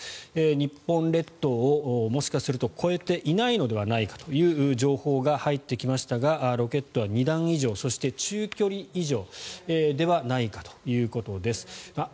日本列島をもしかしたら越えていないのではという情報が入ってきましたがロケットは２段以上そして中距離以上ではないかということです。